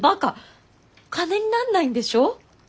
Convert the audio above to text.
金になんないんでしょ？